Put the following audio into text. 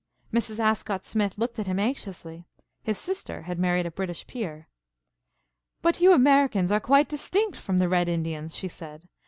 Mrs. Ascott Smith looked at him anxiously. His sister had married a British peer. "But you Americans are quite distinct from the red Indians," she said.